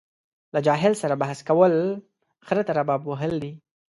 له جاهل سره بحث کول خره ته رباب وهل دي.